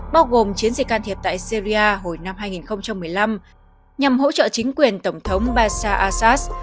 bao gồm chiến dịch can thiệp tại syria hồi năm hai nghìn một mươi năm nhằm hỗ trợ chính quyền tổng thống bashar al assad